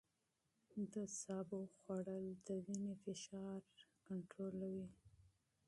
د سبو خوړل د وینې فشار کنټرولوي.